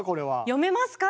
読めますか？